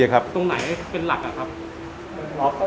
บาดเก็บตรงไหนเป็นหลักครับ